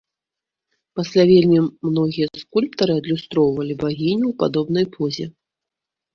Пасля вельмі многія скульптары адлюстроўвалі багіню ў падобнай позе.